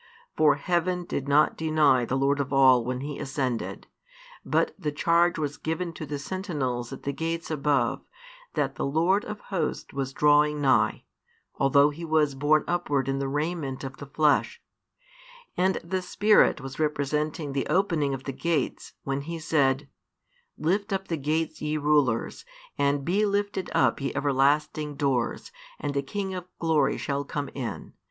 For heaven did not deny the Lord of all when He ascended, but the charge was given to the sentinels at the gates above, that the Lord of Hosts was drawing nigh, although He was borne upward in the raiment of the flesh; and the Spirit was representing the opening of the gates, when He said: Lift up the gates ye rulers, and be lifted up ye everlasting doors, and the King of Glory shall come in.